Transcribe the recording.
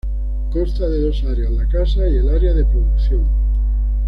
Consta de dos áreas: la casa y el área de producción.